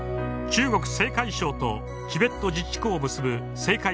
中国・青海省とチベット自治区を結ぶ青海